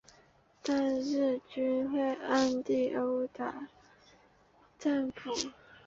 但日军会暗地殴打战俘。